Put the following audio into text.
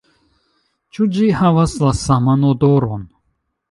Ĉu ĝi havas la saman odoron?